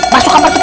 masuk kamar cepat